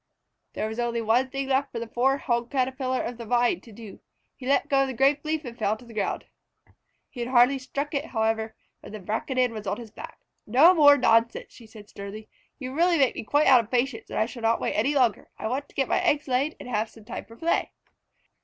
There was only one other thing left for the poor Hog Caterpillar of the Vine to do. He let go of the grape leaf and fell to the ground. He had hardly struck it, however, when the Braconid was on his back. "No more nonsense," said she sternly. "You really make me quite out of patience, and I shall not wait any longer. I want to get my eggs laid and have some time for play."